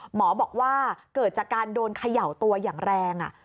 หมอบอกว่าเกิดจากการโดนเขย่าตัวอย่างแรง